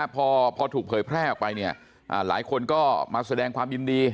พอถูกเผยแพร่ออกไปเนี่ยหลายคนก็มาแสดงความยินดี